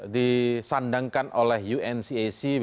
disandangkan oleh uncac